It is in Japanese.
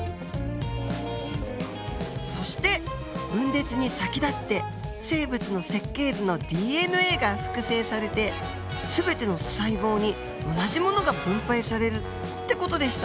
そして分裂に先立って生物の設計図のＤＮＡが複製されて全ての細胞に同じものが分配されるって事でした。